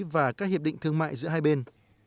và các hiệp định thương mại giữa hai bên